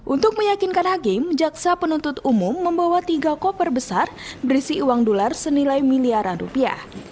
untuk meyakinkan hakim jaksa penuntut umum membawa tiga koper besar berisi uang dolar senilai miliaran rupiah